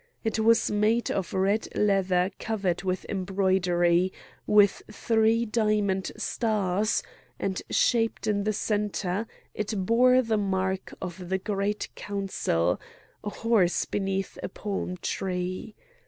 It was made of red leather covered with embroidery, with three diamond stars, and stamped in the centre, it bore the mark of the Great Council: a horse beneath a palm tree.